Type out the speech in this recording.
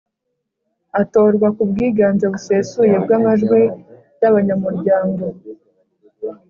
Atorwa ku bwiganze busesuye bw’amajwi y’abanyamuryango